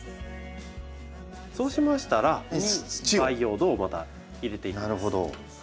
そうしましたらここに培養土をまた入れていきます。